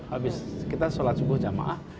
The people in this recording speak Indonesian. habis kita sholat subuh jamaah